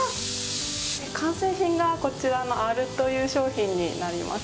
完成品がこちらのアールという商品になります。